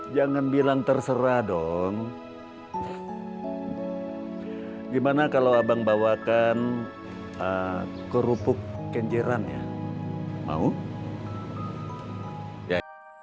jangan bilang terserah dong gimana kalau abang bawakan kerupuk kenjeran ya mau ya